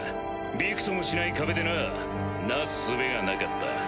びくともしない壁でななす術がなかった。